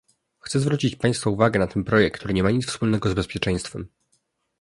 Chcę zwrócić Państwa uwagę na ten projekt, który nie ma nic wspólnego z bezpieczeństwem